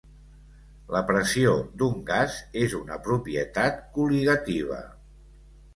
La pressió d'un gas és una propietat col·ligativa.